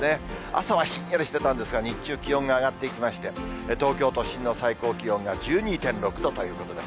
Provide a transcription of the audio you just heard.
朝はひんやりしてたんですが、日中気温が上がっていきまして、東京都心の最高気温が１２．６度ということです。